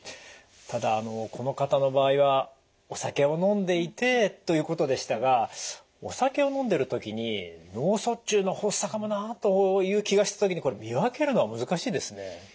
ただあのこの方の場合はお酒を飲んでいてということでしたがお酒を飲んでる時に脳卒中の発作かもなという気がした時にこれ見分けるのが難しいですね。